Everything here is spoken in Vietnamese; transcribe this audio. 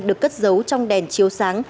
được cất giấu trong đèn chiếu sáng